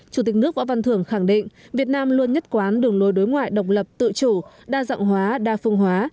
chủ tịch nước võ văn thưởng khẳng định việt nam luôn nhất quán đường lối đối ngoại độc lập tự chủ đa dạng hóa đa phương hóa